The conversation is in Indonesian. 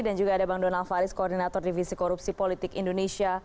dan juga ada bang donald faris koordinator divisi korupsi politik indonesia